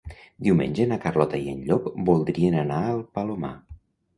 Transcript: Diumenge na Carlota i en Llop voldrien anar al Palomar.